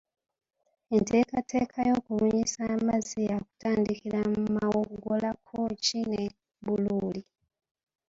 Enteekateeka y'okubunyisa amazzi yaakutandikira mu Mawogola, Kkooki ne Buluuli